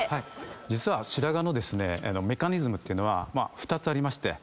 実は白髪のメカニズムっていうのは２つありまして。